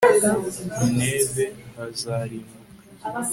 nineve hazarimbuka